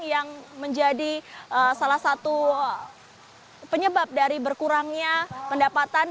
yang menjadi salah satu penyebab dari berkurangnya pendapatan